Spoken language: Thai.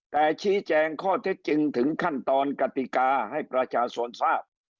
แต่ชี้แจงข้อที่จึงถึงขั้นตอนกติกาให้ประชาสนศาสตร์